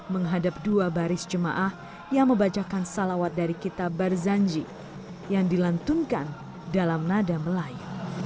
menghadap dua baris jemaah yang membacakan salawat dari kitab barzanji yang dilantunkan dalam nada melayu